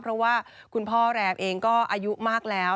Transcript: เพราะว่าคุณพ่อแรมเองก็อายุมากแล้ว